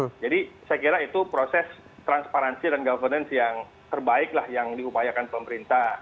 ya jadi saya kira itu proses transparansi dan governance yang terbaik lah yang diupayakan pemerintah